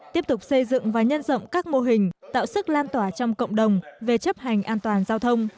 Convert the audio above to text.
tiếp tục xây dựng và nhân rộng các mô hình tạo sức lan tỏa trong cộng đồng về chấp hành an toàn giao thông